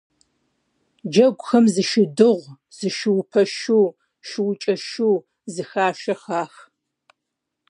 Джэгухэм зы шыдыгъу, зы шуупэ шу, шуукӀэ шу, зы хашэ хах.